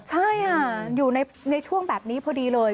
ใช่ค่ะอยู่ในช่วงแบบนี้พอดีเลย